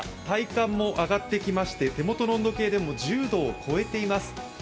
体感も上がってきまして、手元の温度計でも１０度を超えています。